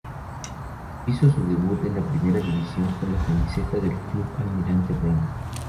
Hizo su debut en Primera división con la camiseta del Club Almirante Brown.